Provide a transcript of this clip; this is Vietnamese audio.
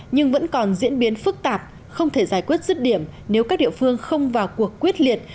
nhưng vẫn còn diễn biến phức tạp không thể giải quyết rứt điểm nếu các địa phương không vào cuộc quyết liệt